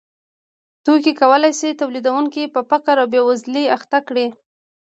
توکي کولای شي تولیدونکی په فقر او بېوزلۍ اخته کړي